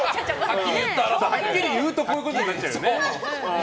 はっきり言うとこういうことになっちゃうよね。